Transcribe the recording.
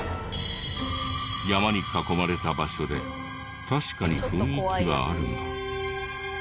山に囲まれた場所で確かに雰囲気はあるが。